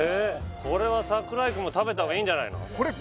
これは櫻井くんも食べたほうがいいんじゃないの？